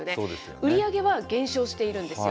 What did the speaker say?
売り上げは減少しているんですよ。